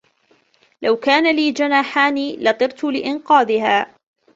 لو كان لي جناحان، لطرت لإنقاذها.